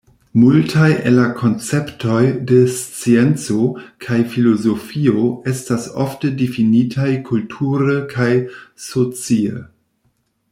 Multaj el la konceptoj de scienco kaj filozofio estas ofte difinitaj kulture kaj socie.